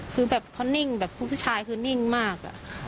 คือแบบเขานิ่งแบบผู้ชายคือนิ่งมาก